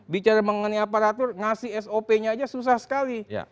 bicara mengenai aparatur ngasih sop nya aja susah sekali